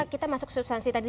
kita masuk substansi tadi